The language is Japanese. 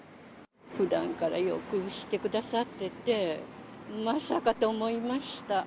普段からよくしてくださっててまさかと思いました。